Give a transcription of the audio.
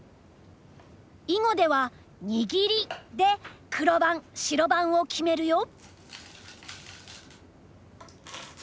囲碁ではニギリで黒番白番を決めるよ。